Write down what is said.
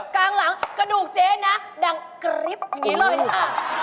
กลางหลังกระดูกเจ๊นะดังกริ๊บอย่างนี้เลยค่ะ